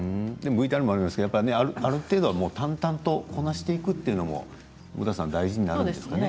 ＶＴＲにもありましたがある程度淡々とこなしていくというのも大事になるんですかね。